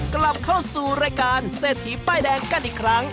กลับเข้าสู่รายการเศรษฐีป้ายแดงกันอีกครั้ง